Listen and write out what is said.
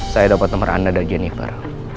saya dapat nomor anda dari jennifer